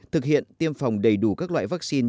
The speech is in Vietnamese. thực hiện tiêm phòng đầy đủ các loại vaccine